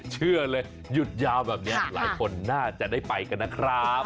เชื่อเลยหยุดยาวแบบนี้หลายคนน่าจะได้ไปกันนะครับ